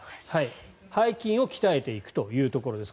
背筋を鍛えていくというところです。